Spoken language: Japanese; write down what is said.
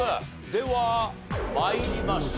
では参りましょう。